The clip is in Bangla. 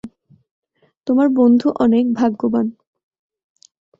তোমার বন্ধু অনেক ভাগ্যবান।